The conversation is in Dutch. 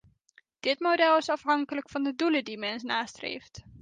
Dit model is afhankelijk van de doelen die men nastreeft.